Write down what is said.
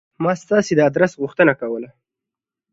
ما ستاسې د آدرس غوښتنه کوله.